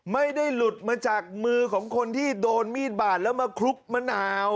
ไม่ได้หลุดมาจากมือของคนที่โดนมีดบาดแล้วมาคลุกมะนาว